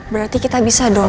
berarti kita bisa dong